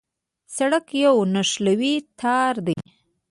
سړک یو نښلوی تار دی.